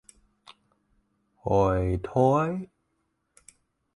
hôi thối